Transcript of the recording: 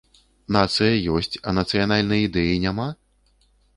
Нацыя ёсць, а нацыянальнай ідэі няма?